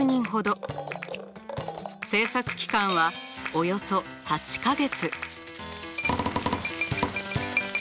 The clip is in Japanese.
制作期間はおよそ８か月。